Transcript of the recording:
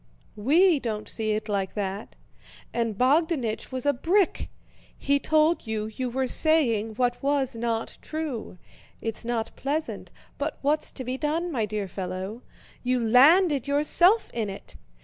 We don't see it like that. And Bogdánich was a brick: he told you you were saying what was not true. It's not pleasant, but what's to be done, my dear fellow? You landed yourself in it.